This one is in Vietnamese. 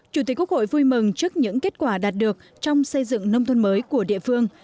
chủ tịch quốc hội vui mừng trước những kết quả đạt được trong xây dựng nông thôn mới của địa phương